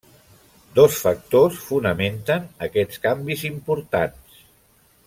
Dos factors fonamenten aquests canvis importants.